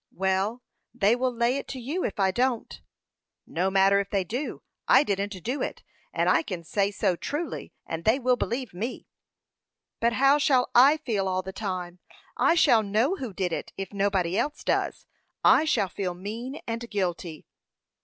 "Well, they will lay it to you if I don't." "No matter if they do; I didn't do it, and I can say so truly, and they will believe me." "But how shall I feel all the time? I shall know who did it, if nobody else does. I shall feel mean and guilty."